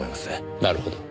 なるほど。